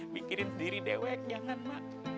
mikirin sendiri dewek jangan mak